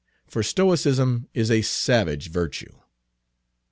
For stoicism is a savage virtue.